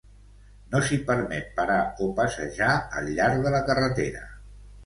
No s'hi permet parar o passejar al llarg de la carretera.